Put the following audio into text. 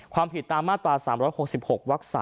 ความผิดตามมาตรา๓๖๖วัก๓